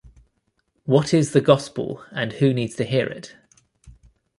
What is the gospel and who needs to hear it?